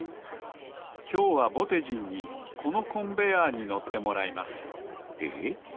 きょうはぼてじんにこのコンベアーに乗ってもらいますええっ？